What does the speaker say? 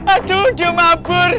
aduh dia mabur